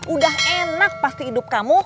udah enak pasti hidup kamu